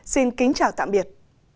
xin kính chào tạm biệt